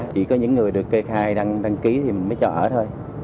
chỉ có những người được kê khai đăng ký thì mình mới cho ở thôi